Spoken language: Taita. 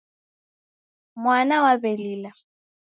Mwana waw'elila